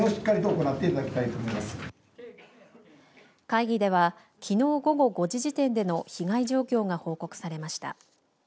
会議では、きのう午後５時時点での被害状況が報告されました。